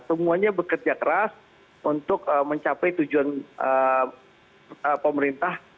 semuanya bekerja keras untuk mencapai tujuan pemerintah